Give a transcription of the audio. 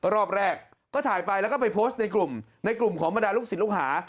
รอบแรกก็ถ่ายไปแล้วก็ไปโพสต์ในกลุ่มในกลุ่มของบรรดาลูกศิษย์ลูกหา